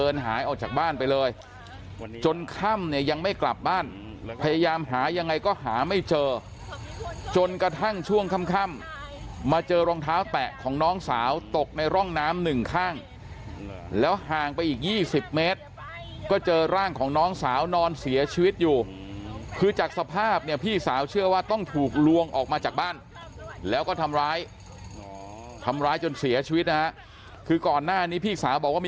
หายออกจากบ้านไปเลยจนค่ำเนี่ยยังไม่กลับบ้านพยายามหายังไงก็หาไม่เจอจนกระทั่งช่วงค่ำมาเจอรองเท้าแตะของน้องสาวตกในร่องน้ำหนึ่งข้างแล้วห่างไปอีก๒๐เมตรก็เจอร่างของน้องสาวนอนเสียชีวิตอยู่คือจากสภาพเนี่ยพี่สาวเชื่อว่าต้องถูกลวงออกมาจากบ้านแล้วก็ทำร้ายทำร้ายจนเสียชีวิตนะฮะคือก่อนหน้านี้พี่สาวบอกว่ามี